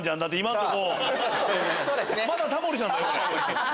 まだタモリさんだよこれ。